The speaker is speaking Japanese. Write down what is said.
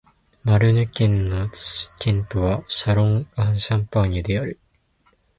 マルヌ県の県都はシャロン＝アン＝シャンパーニュである